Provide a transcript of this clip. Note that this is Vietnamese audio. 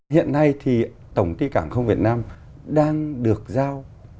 hiện nay tổng ty cảng không việt nam đang được giao